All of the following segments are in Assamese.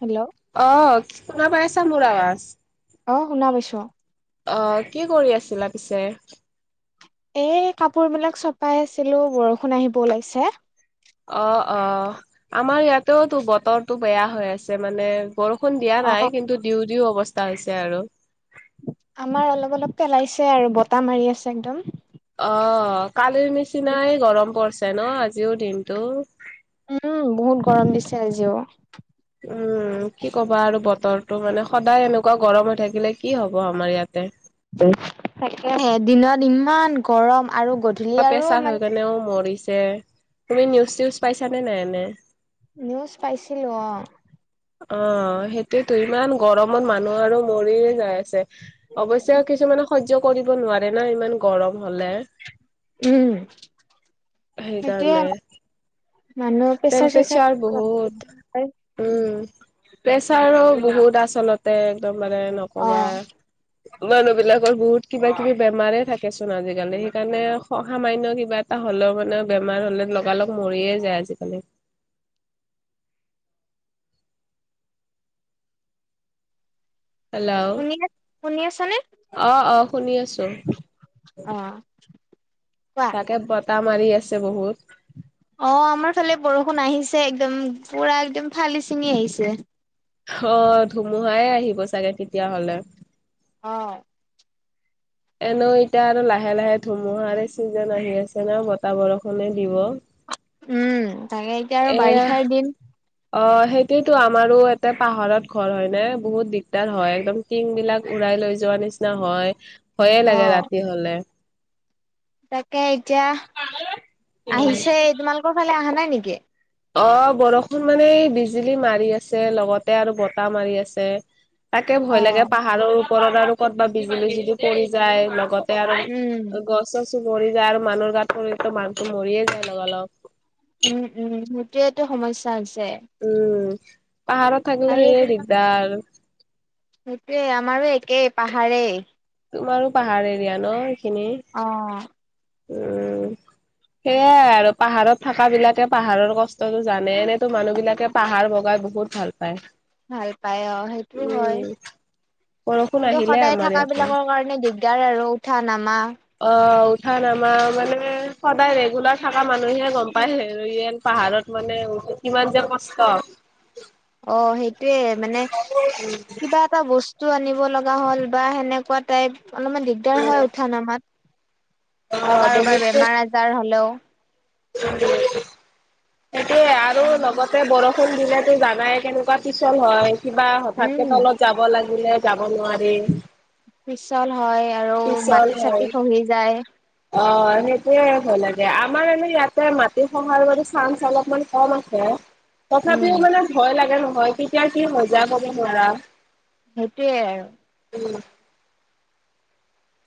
হেল্ল' অ কি শোনা পাইছা মোৰ আৱাজ। [unintelligible] অ শুনা পাইছো। অ কি কৰি আছিলা পিছে? এই কাপোৰ বিলাক চপাই আছিলো বৰষুণ আহিব ওলাইছে। তেওতো বতৰটো বেয়া হৈ আছে মানে বৰষুণ দিয়া অ নাই কিন্তু দি। দুও অৱস্থা হৈছে, আৰু আমাৰ অলপ অলপ পেলাইছে আৰু বতাহ মাৰি আছে একদম। অ কালিৰ নিচিনাই গৰম পছে ন আজিও দিনতটো। উম বহুত গৰম দিছে আজিও। উম কি ক'বা আৰু বতৰটো মানে সদায় এনেকুৱা গৰম হৈ থাকিলে কি হব আমাৰ ইয়াতে, তাকেহে দিনত ইমান গৰম, আৰু গধূলি আৰু প্ৰেছাৰ মানে হৈ কেনেও মৰিছে তুমি নিউজ চউজ পাইছানে নাই, এনে নিউজ পাইছিলো অ'। অ সেইটোয়েতো ইমান গৰমত মানুহ আৰু মৰি যাই। অৱশ্যে কিছুমানে সহ্য কৰিব নোৱাৰে না ইমান গৰম। হলে উম সেইটোয়ে সেইকাৰণে। মানুহৰ প্ৰেচাৰ চেচাৰ টেম্পৰেচাৰ বহুত উম্। প্ৰেচাৰো বহুত আচলতে একদম মানে অ নকবা। মানুহ বিলাকৰ বহুত কিবা কিবি বেমাৰে থাকেচোন আজিক কালি সেইকাৰণে, সামান্য কিবা এটা হ'লেও মানে বেমাৰ হলে লগালগ মৰিয়ে যায় আজিকালি। হেল্ল' আহ শুনি শুনি আছানে আহ শুনি আছো। অ কোৱা তাকে বতাহ মাৰি আছে বহুত। অ আমাৰ ফালে বৰষুণ আহিছে একদম পুৰা একদম ফালি ছিঙি আহিছে। অ ধুমুহাই আহিব চাগে তেতিয়া হলে। অ এনে এতিয়া আৰু লাহে লাহে ধুমুহাৰে চিজন আহি আছে ন বতাহ বৰষুনে দিব। উম তাকে এতিয়া আৰু এয়া বাৰিষাৰ দিন। অ সেইটোয়েতো আমাৰো এটা পাহাৰত ঘৰ হয় নে বহুত দিগদাৰ হয় একদম টিং বিলাক উৰাই। লৈ যোৱা নিচিনা হয়, ভয়ে অ লাগে ৰাতি হলে। তাকে এতিয়া আহিছে, তোমালোকৰ ফালে অহা নাই নেকি? অ বৰষুণ মানে বিজুলী মাৰি আছে লগতে আৰু বতাহ মাৰি আছে। তাকে অ ভয় লাগে পাহাৰৰ ওপৰত আৰু কৰ'বা বিজুলী যিটো পৰি যায় লগত। আৰু উম গছ গছো মৰি যায় আৰু মানুহৰ গাতটো পৰি মৰিয়ে যায় লগালগ। এটো সমস্যা হৈছে। উম, পাহাৰত থাকিলে সেয়ে দিগদাৰ আৰু। সেইটোৱে আমাৰো একেই পাহাৰেই। তোমাৰো পাহাৰ এৰিয়া ন। এইখিনি? অ উম সেয়াই আৰু পাহাৰত থকা বিলাকে পাহাৰৰ কষ্টতটো জানে, এনেতো মানুহ বিলাকে পাহাৰ লগাই বহুত ভাল পায়। ভাল পাই অ সেইটো হয়, বৰষুণ কিন্তু আহিলে সদায় আমাৰ থকা ইয়াতে। বিলাকৰ কাৰণে। মানে দিগদাৰ আৰু উঠা নামা। অ উঠা নামা মানে সদায় ৰেগুলাৰ থকা মানুহে গম পায়ে ইয় পাহাৰত মানে। কিমান যে কষ্ট। অ সেইটোয়ে মানে কিবা এটা বস্তু। বস্তু আনিব লগা হ'ল বা সেনেকুৱা টাইপ অলপমান দিগদাৰ হয় উঠা নামাত। বা অ' কাৰোবাৰ বেমাৰ আজাৰ হলেও। এইটোয়ে আৰু লগতে বৰষু বৰষুণ দিলেতো জানাই কেনেকুৱা পিছল হয় কিবা হঠাৎকে উম তলত যাব লাগে। উলাই যাব নোৱাৰি। পিচল হয় আৰু পিছল মাটি হয় চাটি খহি যায়। অ সেইটোয়ে ভয় লাগে আমাৰ এনে ইয়াতে মাটি সহাৰ বাবে চাইন্স অলপমান কম আছে। উম তথাপিও মানে ভয় লাগে নহয় কেতিয়া কি হৈ যায় কব নোৱাৰা। সেইটোৱে। উ।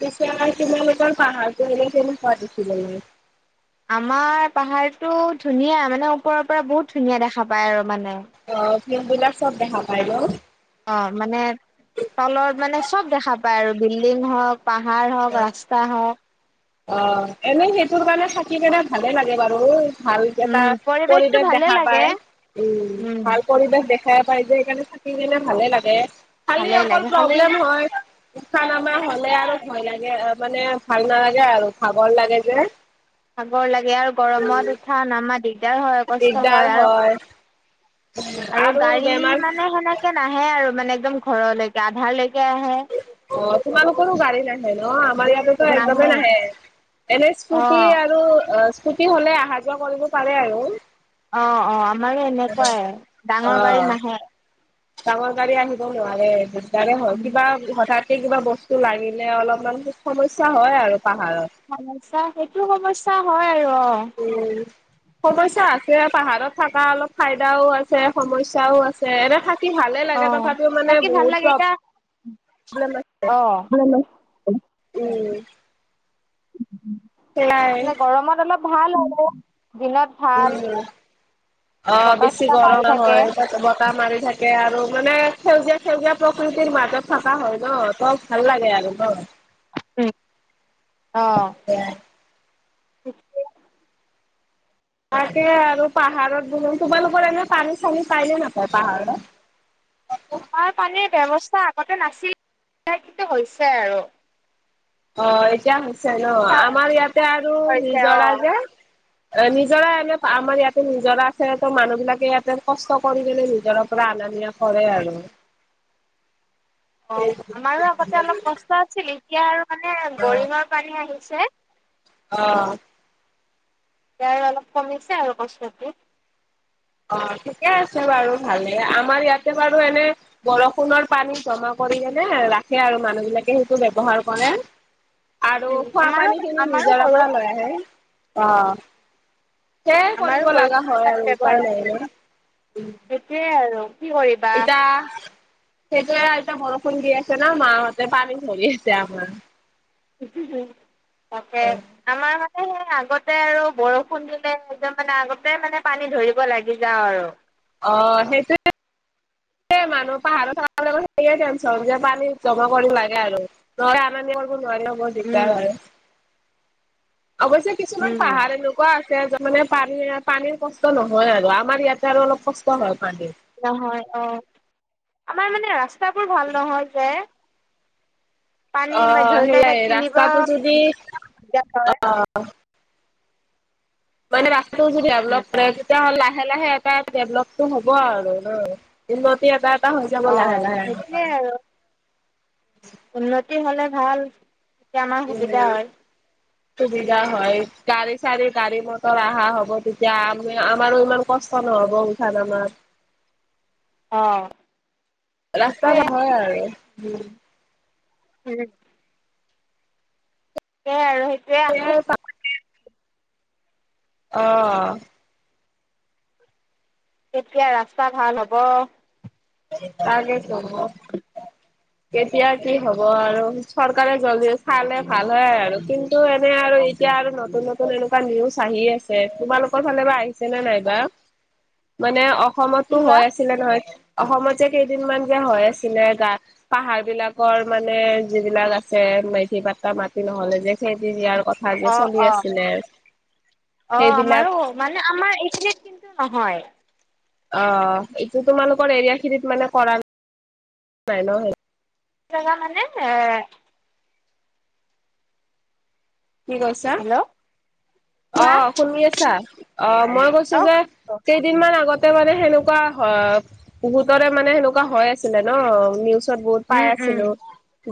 কেতিয়াবা তোমালোকৰ পাহাৰটো কেনেকুৱা হয় দেখিবলে। আমাৰ পাহাৰতটো ধুনীয়া, মানে ওপৰৰ পৰা বহুত ধুনীয়া দেখা পায় আৰু। মানে ন [inaudible] মবলাক চব দেখা পায় ৰ অ মানে তলৰ মানে চব দেখা পায় আৰু বিল্ডিং হওঁক। পাহাৰ হওঁক ৰাস্তা হওঁক। অ এনেই সেইটোৰ কাৰণে থাকি কেনে ভালে লাগে বাৰু। ভালকেটা উম পৰিৱেশটো পৰিৱেশ ভালে দেখা লাগে পায়, উম! ভাল পৰিৱেশ দেখা পাই যে সেইকাৰণে থাকি কেনে ভালে লাগে। খালি ভালে অকল লাগে খালি প্ৰব্লেম হয় উঠা নমা হলে আৰু। ভয় লাগে মানে ভাল নালাগে আৰু খাবৰ লাগে যে। ভাগৰ লাগে আৰু উম, গৰমত উঠা নমা দিগদাৰ হয় কষ্ট হয় আৰু আৰু গাড়ী মানে সেনেকে নাহে আৰু মানে একদম ঘৰলৈকে আধাৰলৈকে আহে। অ তোমালোকৰো গাড়ী নাহে ন। আমাৰ ইয়াত একদম নাহে এনে স্কটি অ আৰু স্কতি হ'লে অহা যোৱা কৰিব পাৰে আৰু অহ অহ আমাৰো এনেকুৱাই ডাঙৰ গাড়ীত অ'। নাহে। ডাঙৰ গাড়ী আহিবও নোৱাৰে দিগদাৰে হল কিবা হঠাৎ হে কিবা বস্তু লাগিলে অলপমান সমস্যা হয় আৰু পাহাৰত সমস্যা সেইটো সমস্যা হয় আৰু উম। সমস্যা আছে পাহাৰত থকা অলপ ফাইদাও আছে সমস্যয়াও আছে এনে থ থাকি ভালে অ অ লাগে তথাপি মানে থাকি ভাল লাগে বহুতো। এতিয়া প্ৰব্লেম আছে অ মানে উম। নাই। গৰমত অলপ ভাল হ' উম অ বতাহ বেছি চতাহ মাৰি গৰম থাকে হয় ত বতাহ মাৰি থাকে। থাকে আৰু মানে সেউজীয়া সেউজীয়া প্ৰকৃতিৰ মাজত থকা হয় ন ত ভাল লাগে আৰু ন উম অহ থিকে। তাকে আৰু পাহাৰত বহু তোমালোকৰ এনে পানী চানী পাইনে নাপায় পাহাৰত [unintelligible] আমাৰ পানীৰ ব্যৱস্থা আগতে নাছিল কিন্তু হৈছে আৰু অহ এতিয়া হৈছে ন আমাৰ ইয়াতে আৰু হৈছে অ নিজৰা যে এ নিজৰা এনে আমাৰ ইয়াতে নিজৰা আছে তো মানুহ বিলাকে ইয়াতে কষ্ট কৰি নিজৰা পৰা আনে। ধুনীয়া কৰে আৰু অ আমাৰো আগতে অলপ কষ্ট আছিল এতিয়া আৰু মানে গৌৰিঙৰ পানী আহি ছে। অহ। ই অলপ কমিছে আৰু কষ্টতো। অ ঠিকে আছে বাৰু ভালে আমাৰ ইয়াতে বাৰু এনে বৰষুণৰ পানী জমা। কৰি কিনে ৰাখে আৰু মানুহ বিলাকে সেইটো ব্যৱহাৰ কৰে। আৰু উম আমাৰো খোৱাপানী খিনি আমাৰো নিজৰা ঘৰৰ পৰা লৈ আহে অহ। ধেৰ আমাৰো কৰিব লগা বৰষুণৰ হয় পানী আৰু ব্যৱহাৰ উপায় নাই কৰোঁ নে উ। সেইটোৱে আৰু কি কৰিবা ইতা। সেইটোৱে এতিয়া বৰষুণ দি আছে ন মাহঁতে পানী ধৰি আছে আমাৰ তাকে আমাৰ। সেই আগতে আৰু বৰষুণ দিলে একদম মানে আগতে মানে পানী ধৰিব লাগি যাওঁ আৰু অ সেইটোয়ে। স মানুহ পাহাৰ চ সেে টেনশন যে পানী জমা কৰিম লাগে আৰু ন। বহুত নোৱাৰিল বহুত উম দিগদাৰ আৰু অৱশ্যে কিছুমান উম পাহাৰ এনেকুৱা আছে। মানে পানী পানীৰ কষ্ট নহয় আৰু আমাৰ ইয়াতে আৰু অলপ কষ্ট হয়। পানীৰ। নহয় অহ। আমাৰ মানে ৰাস্তাবোৰ ভাল নহয় যে। পানী অ ধৰি লোৱা এতিয়া সেইয়াই কিনিব ৰাস্তটো যদি দিগদাৰ হয় অহ। মানে ৰাস্তটো যদি। দেভেলোঁ সেনেকুৱা মানে তেতিয়া হলে। লাহে লাহে এটা ডেভলমেন্ট হ'ব আৰু ন উন্নতি এটা ত হৈ যাব অ লাহে লাহে সেইটোৱে আৰু উন্নতি হ'লে ভাল এতিয়া আমাৰ সুবিধা উম। হয়। সুবিধা হয় গাড়ী চাৰি গাড়ী মটৰ অহা হ'ব তেতিয়া আমি আমাৰো ইমান কষ্ট অৱশেষত আমাৰ অ ৰাস্তা সেইটোৱে নহয় আৰু উ উম। সেয়াই আৰু সেইটোয়ে। সেয়াই। অহ। কেতিয়া ৰাস্তা ভাল হব। কালে হব। এতিয়া কি হব আৰু চৰকাৰে জলদি চালে ভাল হয় আৰু কিন্তু এনে আৰু এতিয়া। আৰু নতুন নতুন এনেকোৱা নিউজ আহি আছে তোমালোকৰ ফালে বা আহি ছে নে নাইবা মানে কি অসমতো বা হৈ আছিলে নহয়। অসমত যে কেইদিনমান যে হয় আছিলে গা পাহাৰ বিলাকৰ মানে যিবিলাক আছে। ম্যাদি পতা মাতি নহলে যে খেদি দিয়াৰ কথা যে অ চলি অ আছিলে। অ সেইবিলাক আমাৰো মানে আমাৰ এইখিনিত কিন্তু নহয়। অ এইটো তোমালোকৰ এৰিয়া খিনিত মানে কৰা নাই ন। নাজা মানে কি কৈছা? হেল্ল' অ কোৱা শুনি আছা অ মই কৈছো যে কেইদিনমান আগত তে মানে সেনেকোৱা বহুতৰে মানে সেনেকোৱা হৈ আছিলে ন নিউজ ত বহুত পাই উম উম আছিলো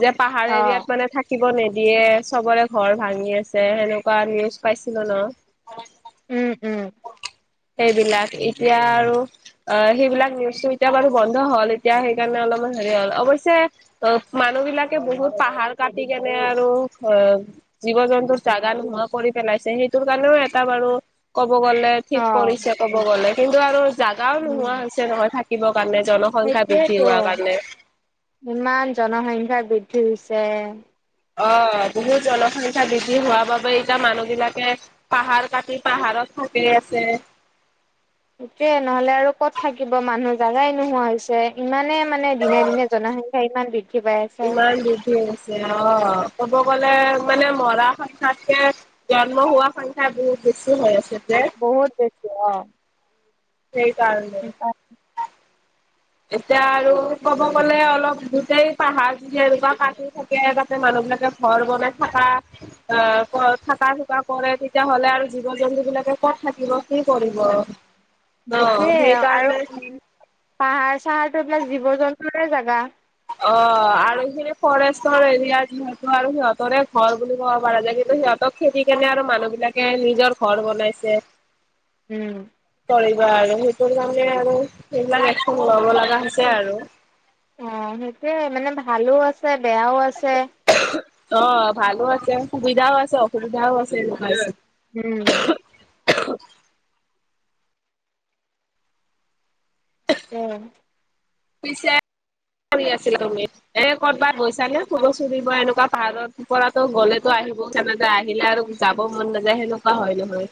যে পাহাৰ অ এৰিয়াত মানে থাকিব নিদিয়ে চবৰে ঘৰ। ভাঙি আছে সেনেকোৱা নিউজ পাইছিলো ন। উম উম সেইবিলাক এতিয়া আৰু অ সেইবিলাক নিউজো এতিয়া বাৰু বন্ধ হল এতিয়া সেইকাৰণে অলপমান হেৰি হ'ল অৱশ্যে অ মানুহ বিলাকে বহুত পাহাৰ কাটি কেনে আৰু জীৱ জন্তুৰ জাগা নোহোৱা কৰি পেলাইছে সেইটোৰ কাৰণেও এটা বাৰু ক বলে ঠিক অ কৰি ক'ব গ'লে কিন্তু আৰু জেগাও নোহোৱা হৈছে নহয় থা সেইটোৱেতো ইমান জনসংখ্যা বৃদ্ধি হৈছে। অ বহুত জনসংখ্যা বৃদ্ধি হোৱা বাবে এতিয়া মানুহ বিলাকে পাহাৰ কাটি পাহাৰত। থাকি আছে। ঠিকে নহলে আৰু কত থাকিব মানুহ জাগাই নোহোৱা হৈছে ইমানে মানে দিনে দিনে জনসংখ্যা ইমান দি ইমান বৃদ্ধি হৈ আছে অহ। ক'ব গ'লে মানে মৰা। বেছি হৈ আছে যে বহুত বেছি অ সেইকাৰণে এতিয়া আৰু ক'ব গ'লে অলপ গোতেই পাহাৰ যদি এনেকোৱা কাটি থাকে তাতে মানুহ এনেকে ঘৰ বনাই থাকা অ থকা চুকা কৰে তেতিয়াহলে আৰু জীৱ জন্তু বিলাক ক'ত থাকিব কি কৰিব আৰু সেটোয়ে আৰু পাহাৰ চাহাৰতো এইবিলাক জীৱ জন্তুৰে জাগা অ আৰু সি ফৰেষ্টৰ এৰিয়া যিহেতু আৰু সিহঁতৰে ঘৰ বুলি ক'ব পৰা যায় কিন্তু সিহঁতক খেদি কেনে আৰু মানুহ বিলাকে নিজৰ ঘৰ বনাইছে উম কৰিবা আৰু সেইটো কাৰণে আৰু সেইবিলাক এক্সন লব লগা হৈছে আৰু অ সেইটোয়ে মানে ভালো আছে বেয়াও আছে অ ভালো আছে সুবিধাও আছে অসুবিধাও আছে মাৰছত উম উম পিছে কি কৰি আছিলা তুমি এ কৰ'বাত গৈছানে ফুৰিব চুৰিব এনেকোৱা পাহাৰৰ পৰাটো গ'লেতো আহিব মন নাযায় আহিলে আৰু যাব মন নাযায় সেনেকোৱা হয় নহয়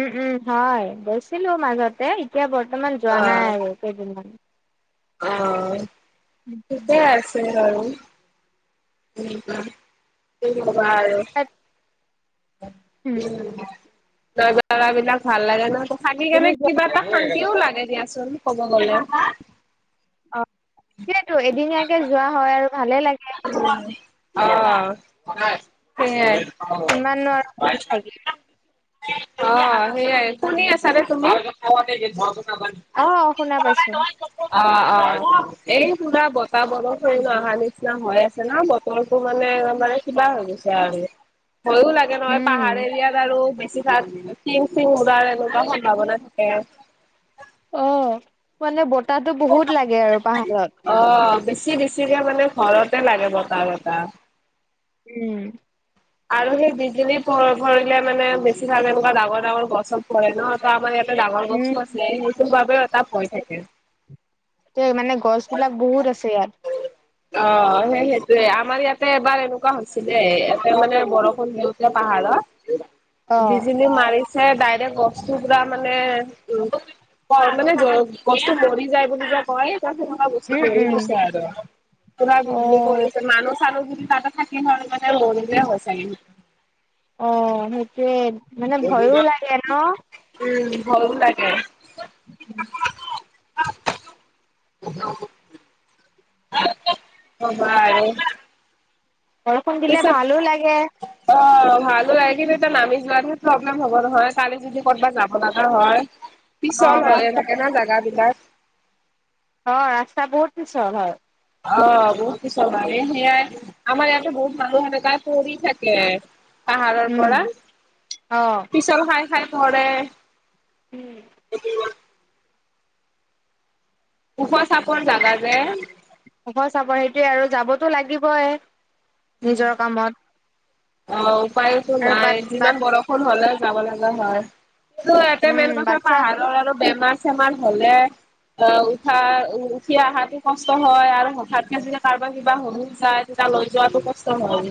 উম উম হয় গৈছিলো মাজতে এতিয়া বৰ্তমান যোৱা নাই অ' আৰু কেইদিনমান অ ঠিকে আছে বাৰু উম কোৱা কি কবা আৰু উম উ নব বিলাক ভাল লাগে ন থাগি কেনে তুমি যোৱা কিবা এটা শান্তিও লাগে দিয়াচোন কব গলে অ সেইেতো এদিনীয়াকে যোৱা হয় আৰু ভালে লাগে অ সেইাই অ কিমাননো আৰু থাকি অ সেইয়াই শুনি আছা নে তুমি অ শুনা পাইছো অ এই পুৰা বতাহ বৰষুণ অহা নি নিচিনা হৈ আছে ন বতৰটোৰ মানে কিবা হৈ গৈছে আৰু ভয়ো লাগে নহয় পাহাৰ উম। এৰিয়াত আৰুে [unintelligible] তিং চিং উৰাৰ এনেকুৱা সম্ভাৱনা থাকে অ মানে বতাহটো বহুত লাগে আৰু পাহাৰত অ', বেছি বছিকে মানে ঘৰতে লাগে বতাহ বতাহ উম আৰু সেই [unintelligible] ভৰিলে মানে বেছিভাগ এনেকুৱা ডাঙৰ ডাঙৰ গছত পৰে ন তাৰমানে ডাঙৰ উম গছো আছে সেইটো বাবেও এটা ভয় থাকে মানে গছ বিলাক বহুত আছে ইয়াত অ সেই সেইটোয়ে আমাৰ ইয়াতে এবাৰ এনেকুৱা হৈছিলে ইয়াতে মানে বৰষুণ দিওঁতে পাহাৰ অ বিজুলি মাৰিছে ডাইৰেক্ট বস্তু পুৰা মানে উ ক মানে গছটো মৰি যায় বুলি যে কয় [unintelligible] বস্তু উম কৰি উম। দিছে আৰু পুৰা অ বিজুলী কৰিছে মানুহ আৰু যদি তাতে থাকিম হলে মানে মৰিলোহেতেন হৈ চাগে স অ সেইটোৱে মানে ভয়ো লাগে ন ভায়ো লাগে অ অ ভা বৰষুণ দিলে সোচেপ ভালো লাগে অ ভালো লাগে কিন্তু এতিয়া নামি যোৱাতহে প্ৰব্লেম হ'ব নহয় কালি যদি ক'তবাত যাব লগা হয় অ পিছল ৰা হয় এনেকে না জাগা বিলাক অ ৰাস্তা বহুত পিছল হয় অ বহুত কিছু মানে সেয়াই আমাৰ ইয়াতে বহুত মানুহ এনেকাই তাই পৰি থাকে পাহাৰৰ উম পৰা অ পিছল খাই খাই পৰে উম উখ চাপোন জাগা যে খব চাপ সেইটোৱে আৰু যাবতো লাগিবই নিজৰ কামত অ উপায়তো আৰু নাই বাট যিমান বাট বৰষুণ হলেও যাব লগা হয় কি ইয়াতে উম মেইন কথা বাচ্ছা পাহাৰৰ আৰু বেমাৰ চেমাৰ হলে অ উঠা উঠি অহাতো কষ্ট হয় আৰু হঠাৎতে যেতিয়া কাৰোবাৰ কিবা [unintelligible] যায় তেতিয়া অল্প যোৱাৰ পাছত কষ্ট হয়